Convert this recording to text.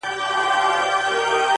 رازه! دمه دې چرته ونۀ کړله